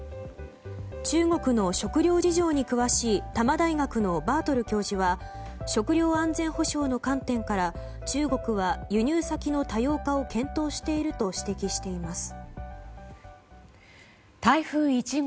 中国の食料事情に詳しい多摩大学のバートル教授は食料安全保障の観点から中国は輸入先の多様化を検討していると指摘しています。